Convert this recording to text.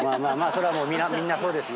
それはみんなそうですよ。